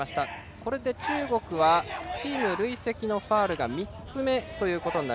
これで中国はチーム累積のファウルが３つ目です。